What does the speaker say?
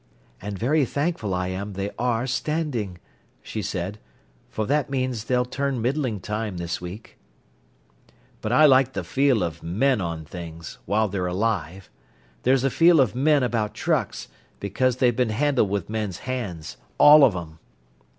"And very thankful I am they are standing," she said, "for that means they'll turn middling time this week." "But I like the feel of men on things, while they're alive. There's a feel of men about trucks, because they've been handled with men's hands, all of them."